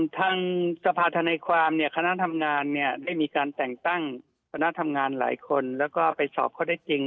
ทางสภาธนาความเนี่ยคณะทำงานเนี่ยได้มีการแต่งตั้งคณะทำงานหลายคนแล้วก็ไปสอบข้อได้จริง